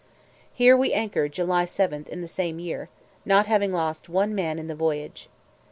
Here we anchored, July 7, in the same year, not having lost one man in the voyage.